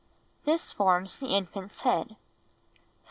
This forms the infant's head. 4.